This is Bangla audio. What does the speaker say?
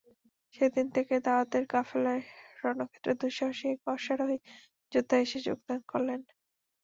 সেদিন থেকে দাওয়াতের কাফেলায় রণক্ষেত্রের দুঃসাহসী এক অশ্বারোহী যোদ্ধা এসে যোগদান করলেন।